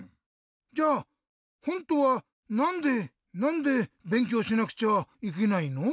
じゃあほんとはなんでなんでべんきょうしなくちゃいけないの？